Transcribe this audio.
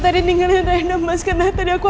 tidak ada yang bisa dihukum